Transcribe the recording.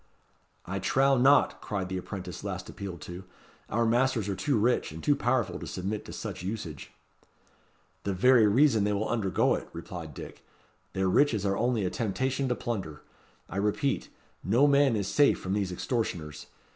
"I trow not," cried the apprentice last appealed to. "Our masters are too rich and too powerful to submit to such usage." "The very reason they will undergo it," replied Dick. "Their riches are only a temptation to plunder. I repeat, no man is safe from these extortioners.